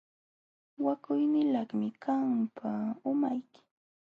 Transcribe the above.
Wakuynilaqmi qampa umayki.